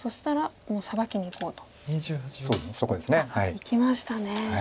いきましたね。